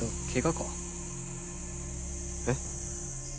えっ？